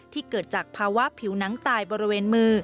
ที่เกิดจากภาวะผิวน้ำตายบรรเวณมือ